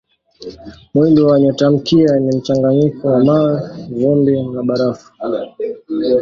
Mwili wa nyotamkia ni mchanganyiko wa mawe, vumbi na barafu.